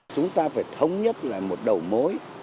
chúng ta phải thống nhất lại một đầu mối